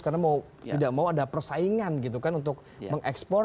karena mau tidak mau ada persaingan gitu kan untuk mengekspor